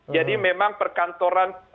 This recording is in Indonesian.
jadi memang perkantoran